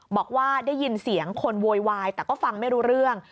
บอกว่าได้ยินเสียงคนโวยวายแต่ก็ฟังไม่รู้เรื่อง